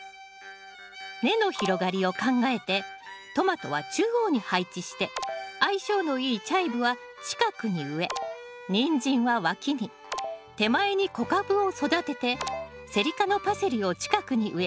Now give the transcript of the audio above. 根の広がりを考えてトマトは中央に配置して相性のいいチャイブは近くに植えニンジンは脇に手前に小カブを育ててセリ科のパセリを近くに植えます。